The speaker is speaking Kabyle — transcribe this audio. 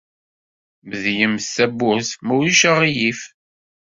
Medlemt tawwurt, ma ulac aɣilif.